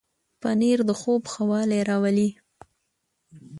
پنېر د خوب ښه والی راولي.